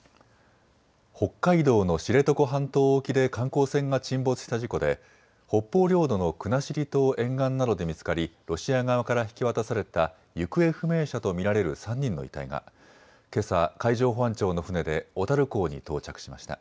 北海道の知床半島沖で観光船が沈没した事故で北方領土の国後島沿岸などで見つかりロシア側から引き渡された行方不明者と見られる３人の遺体がけさ海上保安庁の船で小樽港に到着しました。